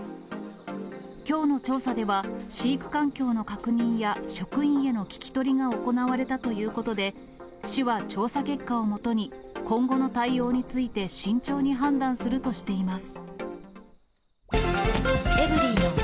きょうの調査では、飼育環境の確認や職員への聞き取りが行われたということで、市は調査結果をもとに、今後の対応について慎重に判断するとしています。